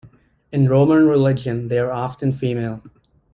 In Roman religion they are often female.